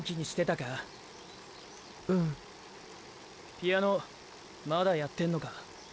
ピアノまだやってんのか？